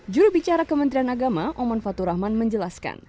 juru bicara kementerian agama oman fatur rahman menjelaskan